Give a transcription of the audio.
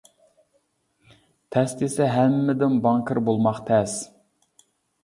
تەس دېسە ھەممىدىن بانكىر بولماق تەس.